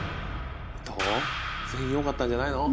全員良かったんじゃないの？